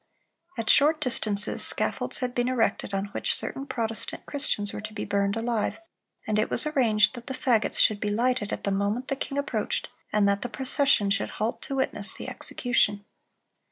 "At short distances scaffolds had been erected, on which certain Protestant Christians were to be burned alive, and it was arranged that the fagots should be lighted at the moment the king approached, and that the procession should halt to witness the execution."